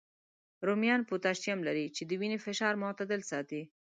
رومیان پوتاشیم لري، چې د وینې فشار معتدل ساتي